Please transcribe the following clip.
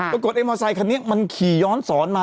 ไอ้มอไซคันนี้มันขี่ย้อนสอนมา